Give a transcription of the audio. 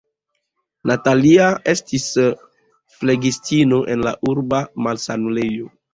Natalia estis flegistino en la urba malsanulejo.